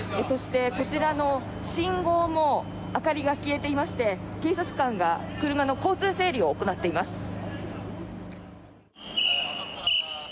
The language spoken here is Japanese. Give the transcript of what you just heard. そしてこちらの信号も明かりが消えていまして警察官が車の交通整理を行っています。